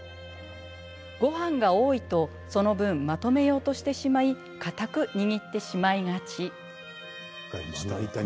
ごはんが多いとその分、まとめようとしてしまいかたく握ってしまいがち。